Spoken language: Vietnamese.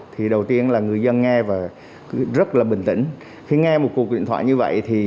thì đầu tiên là người dân nghe và rất là bình tĩnh khi nghe một cuộc điện thoại như vậy thì